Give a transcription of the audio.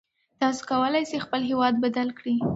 تاسو کولای شئ خپل هېواد بدل کړئ.